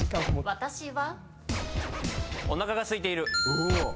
私は。